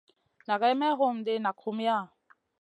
Nʼagai mey wondi nak humiya?